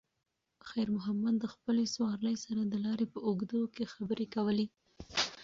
خیر محمد د خپلې سوارلۍ سره د لارې په اوږدو کې خبرې کولې.